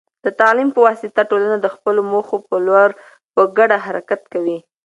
د تعلیم په واسطه، ټولنه د خپلو موخو په لور په ګډه حرکت کوي.